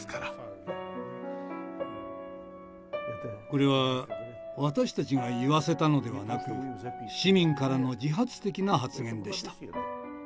これは私たちが言わせたのではなく市民からの自発的な発言でした。